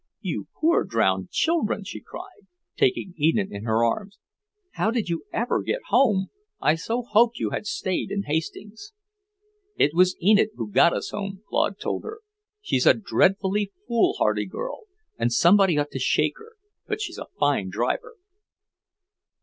"You poor drowned children!" she cried, taking Enid in her arms. "How did you ever get home? I so hoped you had stayed in Hastings." "It was Enid who got us home," Claude told her. "She's a dreadfully foolhardy girl, and somebody ought to shake her, but she's a fine driver."